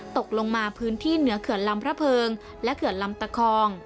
ตกลงมาพื้นที่เหนือเขื่อนลำพระเพิงและเขื่อนลำตะคอง